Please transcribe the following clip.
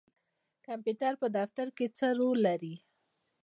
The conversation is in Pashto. کمپیوټر په دفتر کې څه رول لري؟